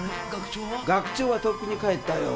学長はとっくに帰ったよ。